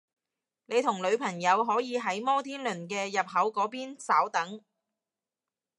你同女朋友可以喺摩天輪嘅入口嗰邊稍等